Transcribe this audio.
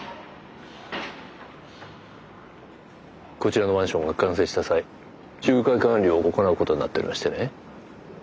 こちらのマンションが完成した際仲介管理を行うことになっておりましてね。